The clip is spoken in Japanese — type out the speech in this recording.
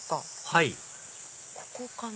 はいここかな？